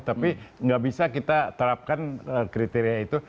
tapi nggak bisa kita terapkan kriteria itu